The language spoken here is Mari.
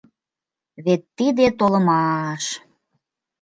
Вет тиде толымаш!..